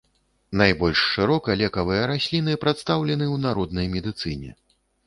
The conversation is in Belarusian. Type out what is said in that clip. Найбольш шырока лекавыя расліны прадстаўлены ў народнай медыцыне.